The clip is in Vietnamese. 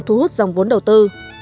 thú hút dòng vốn đầu tư